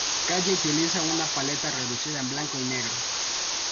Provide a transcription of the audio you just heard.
Calle utiliza una paleta reducida en blanco y negro.